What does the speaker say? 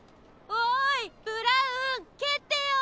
おいブラウンけってよ！